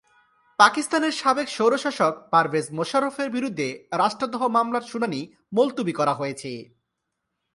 পাকিস্তানের সাবেক স্বৈরশাসক পারভেজ মোশাররফের বিরুদ্ধে রাষ্ট্রদ্রোহ মামলার শুনানি মুলতবি করা হয়েছে।